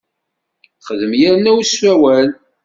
Xdem yerna ur ssawal!